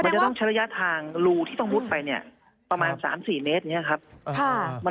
ใช้ระยะทางลูที่ต้องมุดไปเนี่ยประมาณสามสี่เมตรนะครับ